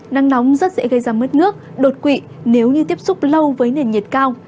nắng nóng rất dễ gây ra mất nước đột quỵ nếu như tiếp xúc lâu với nền nhiệt cao